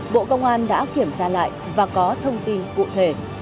bộ công an đã kiểm tra lại và có thông tin cụ thể